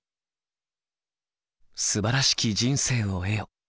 「素晴らしき人生を得よ」。